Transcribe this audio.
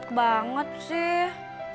kok mendadak banget sih